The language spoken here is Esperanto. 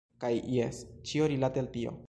Kaj jes! Ĉio rilate al tio.